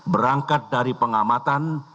berangkat dari pengamatan